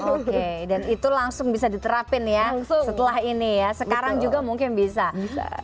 oke dan itu langsung bisa diterapin ya setelah ini ya sekarang juga mungkin bisa